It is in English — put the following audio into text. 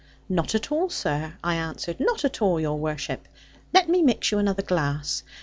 'Not at all, sir,' I answered; 'not at all, your worship. Let me mix you another glass.